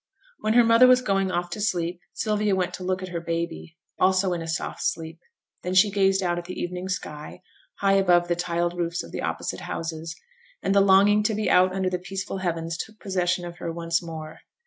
When her mother was going off to sleep, Sylvia went to look at her baby, also in a soft sleep. Then she gazed out at the evening sky, high above the tiled roofs of the opposite houses, and the longing to be out under the peaceful heavens took possession of her once more.